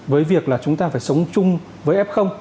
với việc là chúng ta phải sống chung với f